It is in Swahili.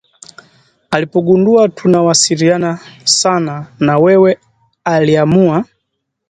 Alipogundua tunawasiliana sana na wewe aliamua